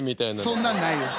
そんなのないです。